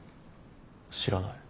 知らない。